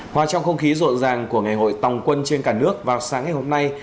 hòa trong không khí rộn ràng của ngày hội tòng quân trên cả nước vào sáng ngày hôm nay